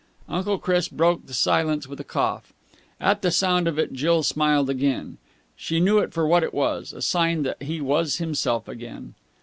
Uncle Chris broke the silence with a cough. At the sound of it, Jill smiled again. She knew it for what it was, a sign that he was himself again.